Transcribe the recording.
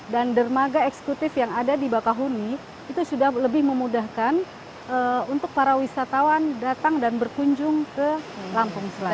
dan dermaga eksekutif yang ada di bakahuni itu sudah lebih memudahkan untuk para wisatawan datang dan berkunjung ke lampung selatan